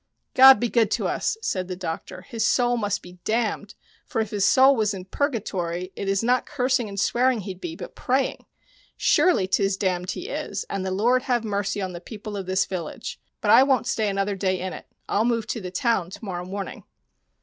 " God be good to us," said the doctor. " His soul must be damned, for if his soul was in purgatory it is not cursing and swearing he'd be, but praying. Surely, 'tis damned he is, and the Lord have mercy on the people of this village ; but I won't stay another day in it ; I'll move to the town to morrow morning."